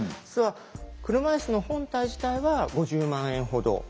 実は車いすの本体自体は５０万円ほど。